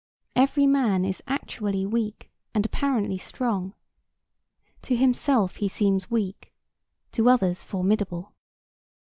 Every man is actually weak and apparently strong. To himself he seems weak; to others, formidable.